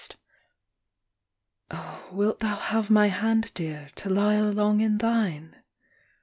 i. Oh, wilt thou have my hand, Dear, to lie along in thine?